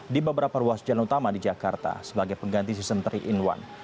di beberapa ruas jalan utama di jakarta sebagai pengganti sistem tiga in satu